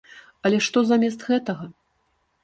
Але што замест гэтага?